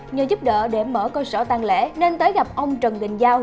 nhờ giúp đỡ để mở cơ sở tăng lễ nên tới gặp ông trần đình giao